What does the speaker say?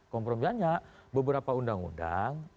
kompromisannya beberapa undang undang